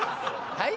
はい？